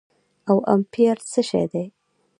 او امپير څه شي دي